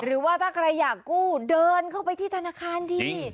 หรือว่าถ้าใครอยากกู้เดินเข้าไปที่ธนาคารที